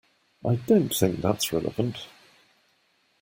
I don't think that's relevant.